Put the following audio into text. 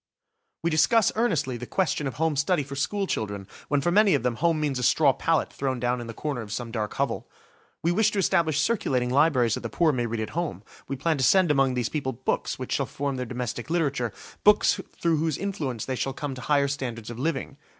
We discuss earnestly the question of home study for school children, when for many of them home means a straw pallet thrown down in the corner of some dark hovel. We wish to establish circulating libraries that the poor may read at home. We plan to send among these people books which shall form their domestic literature–books through whose influence they shall come to higher standards of living.